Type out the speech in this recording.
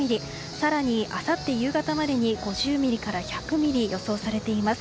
更に、あさって夕方までに５０ミリから１００ミリ予想されています。